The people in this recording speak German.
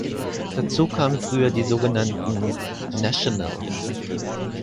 Dazu kamen früher die sogenannten „Nationals“.